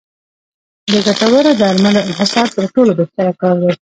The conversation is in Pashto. د ګټورو درملو انحصار تر ټولو بهتره کار دی.